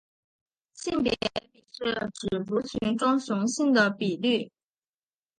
性别比是指族群中雄性的比率。